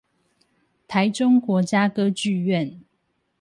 臺中國家歌劇院